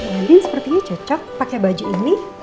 bu andin sepertinya cocok pake baju ini